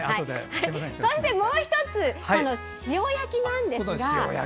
そして、もう１つ塩焼きなんですが。